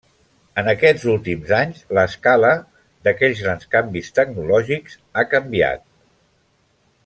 En aquests últims anys, l’escala d’aquells grans canvis tecnològics ha canviat.